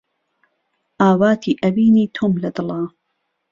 ئاواتی ئەوینی تۆم لە دڵە